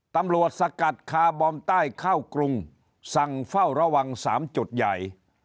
สกัดคาร์บอมใต้เข้ากรุงสั่งเฝ้าระวัง๓จุดใหญ่